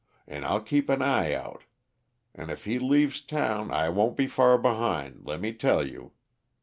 An' I'll keep an eye out, 'n' if he leaves town I won't be fur behind, lemme tell you.